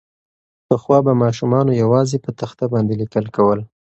پخوا به ماسومانو یوازې په تخته باندې لیکل کول.